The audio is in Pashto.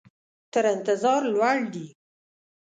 تر انتظار لوړ دي.